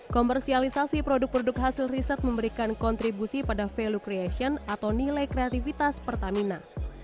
komersialisasi produk produk hasil riset memberikan kontribusi pada value creation atau nilai kreativitas pertamina